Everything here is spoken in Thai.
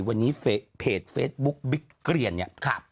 วันนี้เพจเฟซบุ๊กบิ๊กเกรียนเนี่ย